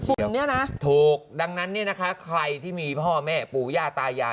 ใช่ถูกดังนั้นนะคะใครที่มีพ่อแม่ปูย่าตายยา